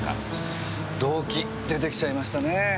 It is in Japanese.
動機出てきちゃいましたねぇ。